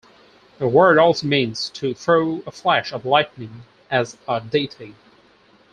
The word also means "to throw a flash of lightning, as a deity".